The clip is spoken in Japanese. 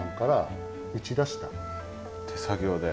手作業で。